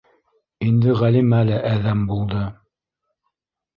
Инде Ғәлимә лә әҙәм булды.